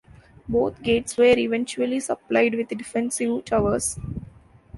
Both gates were eventually supplied with defensive towers.